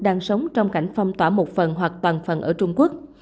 đang sống trong cảnh phong tỏa một phần hoặc toàn phần ở trung quốc